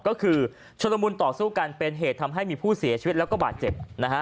ก็คือชนละมุนต่อสู้กันเป็นเหตุทำให้มีผู้เสียชีวิตแล้วก็บาดเจ็บนะฮะ